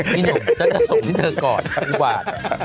พี่หนุ่มฉันจะส่งที่เธอก่อนคุณบ่าด